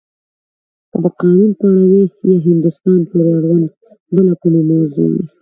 که د قانون په اړه وی یا هندوستان پورې اړونده بله کومه موضوع وی.